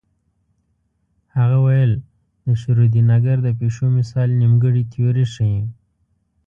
هغه ویل د شرودینګر د پیشو مثال نیمګړې تیوري ښيي.